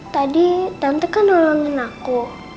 tadi tante kan nulangin aku